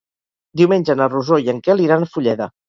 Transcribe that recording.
Diumenge na Rosó i en Quel iran a Fulleda.